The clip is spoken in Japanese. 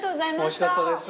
おいしかったです。